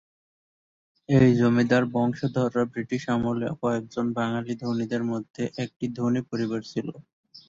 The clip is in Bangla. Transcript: এই জমিদার বংশধররা ব্রিটিশ আমলে কয়েকজন বাঙালী ধনীদের মধ্যে একটি ধনী পরিবার ছিল।